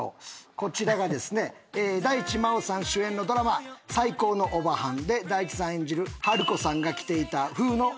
こちらがですね大地真央さん主演のドラマ『最高のオバハン』で大地さん演じるハルコさんが着ていたふうの衣装。